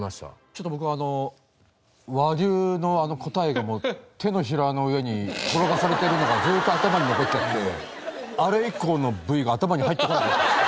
ちょっと僕あの和牛のあの答えがもう手のひらの上に転がされてるのがずーっと頭に残っちゃってあれ以降のＶが頭に入ってこなかった。